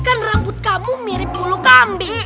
kan rambut kamu mirip bulu kambing